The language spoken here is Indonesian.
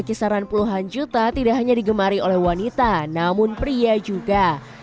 kisaran puluhan juta tidak hanya digemari oleh wanita namun pria juga